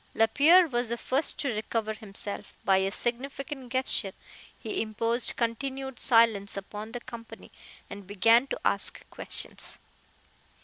Lapierre was the first to recover himself. By a significant gesture he imposed continued silence upon the company, and began to ask questions.